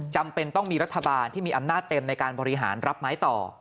จำเป็นต้องมีรัฐบาลที่มีอำนาจเต็มในการบริหารรับไม้ต่อ